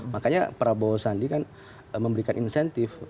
makanya prabowo sandi kan memberikan insentif